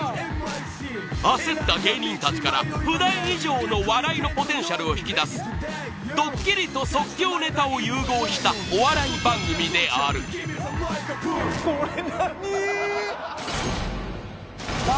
アセった芸人たちから普段以上の笑いのポテンシャルを引き出すドッキリと即興ネタを融合したお笑い番組であるさあ